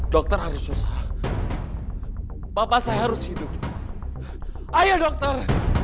dokter harus susah papa saya harus hidup ayo dokter